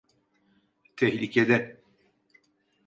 Tehlikede.